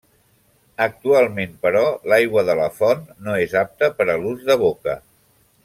Actualment, però, l'aigua de la font no és apta per a l'ús de boca.